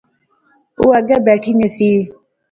او اگے بیٹھی نی سی